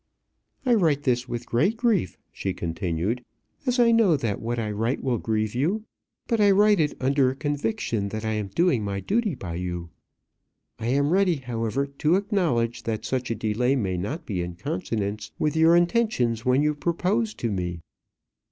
"I write this with great grief," she continued, "as I know that what I write will grieve you. But I write it under a conviction that I am doing my duty by you. I am ready, however, to acknowledge that such a delay may not be in consonance with your intentions when you proposed to me.